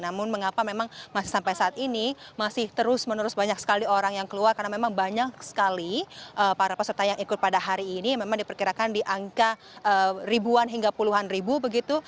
namun mengapa memang masih sampai saat ini masih terus menerus banyak sekali orang yang keluar karena memang banyak sekali para peserta yang ikut pada hari ini memang diperkirakan di angka ribuan hingga puluhan ribu begitu